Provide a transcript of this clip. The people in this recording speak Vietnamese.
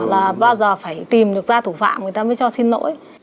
là bao giờ phải tìm được ra thủ phạm người ta mới cho xin lỗi